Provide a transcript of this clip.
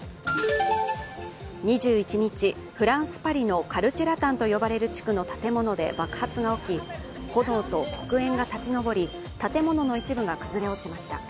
２１日、フランス・パリのカルチェラタンと呼ばれる地区の建物で爆発が起き炎と黒煙が立ち上り、建物の一部が崩れ落ちました。